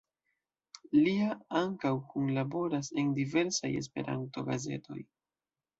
Lia ankaŭ kunlaboras en diversaj Esperanto-gazetoj.